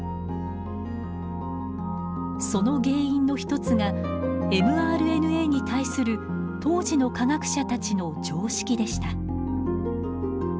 その原因の一つがｍＲＮＡに対する当時の科学者たちの常識でした。